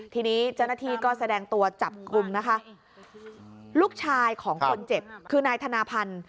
ทีนี้เจ้าหน้าที่ก็แสดงตัวจับกลุ่มนะคะลูกชายของคนเจ็บคือนายธนาพันธ์